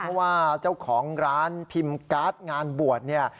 เพราะว่าเจ้าของร้านพิมพ์การ์ดงานบวชเนี่ย